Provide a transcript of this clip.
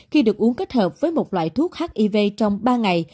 khi được uống kết hợp với một loại thuốc hiv trong ba ngày